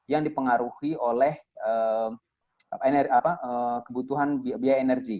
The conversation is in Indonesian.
yang dipengaruhi oleh kebutuhan biaya energi